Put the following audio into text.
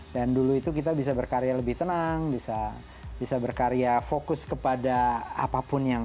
dan dulu itu kita bisa berkarya lebih tenang bisa berkarya fokus kepada apapun yang